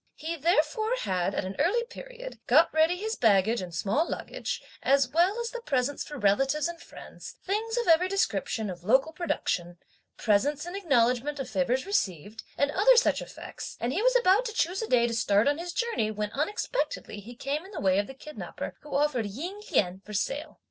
He therefore, had, at an early period, got ready his baggage and small luggage, as well as the presents for relatives and friends, things of every description of local production, presents in acknowledgment of favours received, and other such effects, and he was about to choose a day to start on his journey when unexpectedly he came in the way of the kidnapper who offered Ying Lien for sale.